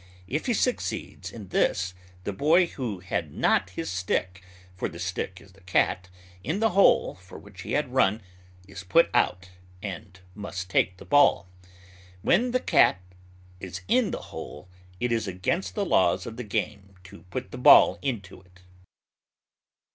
If he succeeds in this, the boy who had not his stick (for the stick is the cat) in the hole for which he had run is put out, and must take the ball. When the Cat is in the Hole, it is against the laws of the game to put the ball into it.